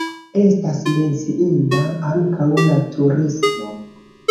Estas menciinda ankaŭ la turismo.